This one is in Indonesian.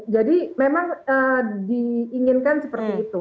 jadi memang diinginkan seperti itu